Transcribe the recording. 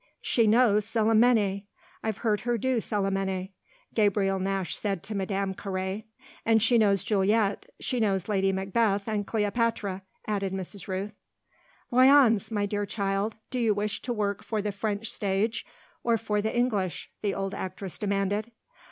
"She knows Célimène; I've heard her do Célimène," Gabriel Nash said to Madame Carré". "And she knows Juliet, she knows Lady Macbeth and Cleopatra," added Mrs. Rooth. "Voyons, my dear child, do you wish to work for the French stage or for the English?" the old actress demanded.